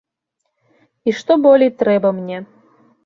І што болей трэба мне?